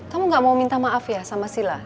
kamu gak mau minta maaf ya sama sila